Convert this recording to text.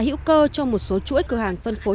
hữu cơ cho một số chuỗi cửa hàng phân phối